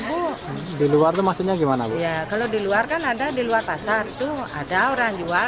bu di luar tuh maksudnya gimana iya kalau di luar kan ada di luar pasar tuh ada orang jual